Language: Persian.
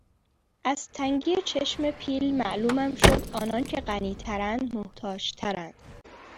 از تنگی چشم پیل معلومم شد آنان که غنی ترند محتاج ترند